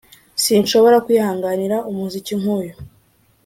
sinshobora kwihanganira umuziki nk'uyu